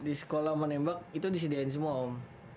di sekolah menembak itu disediain semua om